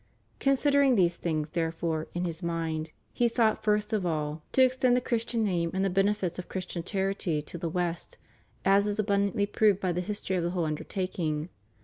Considering these things, therefore, in his mind, he sought first of all to extend the THE COLUMBUS TERCENTENARY. 267 Christian name and the benefits of Christian charity to the West, as is abundantly proved by the history of the whole undertaking.